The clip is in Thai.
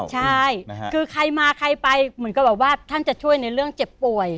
ใช่คือใครมาใครไปเหมือนกับแบบว่าท่านจะช่วยในเรื่องเจ็บป่วย